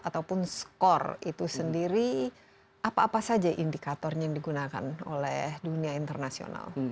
ataupun skor itu sendiri apa apa saja indikatornya yang digunakan oleh dunia internasional